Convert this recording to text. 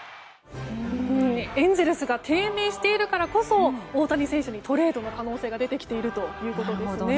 エンゼルスが低迷しているからこそ大谷選手にトレードの可能性が出てきているということですね。